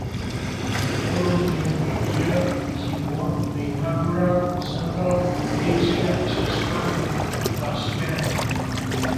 In the following year he won the inaugural Central Asia Chess Cup in Tashkent.